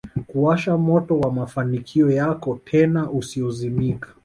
kuwasha moto wa mafanikio yako tena usiozimika